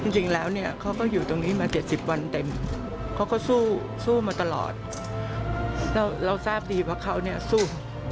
จริงแล้วเนี่ยเขาก็อยู่ตรงนี้มา๗๐วันเต็มเขาก็สู้สู้มาตลอดเราทราบดีว่าเขาเนี่ยสู้